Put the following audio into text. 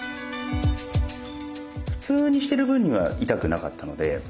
普通にしてる分には痛くなかったので。